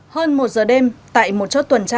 hơn một giờ đêm tại một chốt tuần tra